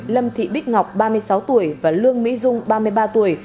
lâm thị bích ngọc ba mươi sáu tuổi và lương mỹ dung ba mươi ba tuổi